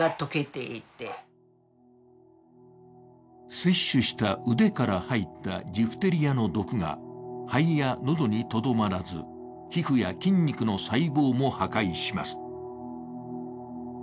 接種した腕から入ったジフテリアの毒が肺や喉にとどまらず皮膚や筋肉の細胞も破壊します。